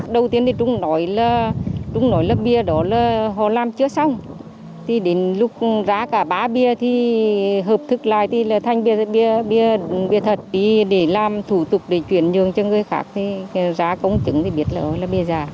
để làm thủ tục để chuyển nhường cho người khác thì giá công chứng thì biết là bia giả